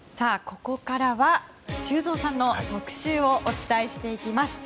ここからは修造さんの特集をお伝えしていきます。